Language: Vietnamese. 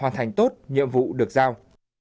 hoàn thành tốt nhiệm vụ được giao